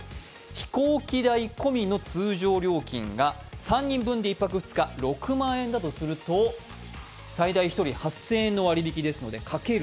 飛行機代込みの通常料金が３人分で１泊２日６万円だとすると最大１人８０００円の割り引きですので×